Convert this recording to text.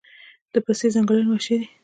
د پستې ځنګلونه وحشي دي؟